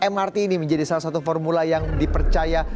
mrt ini menjadi salah satu formula yang dipercaya